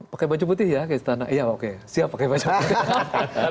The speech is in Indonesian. pakai baju putih ya ke istana iya oke siap pakai baju putih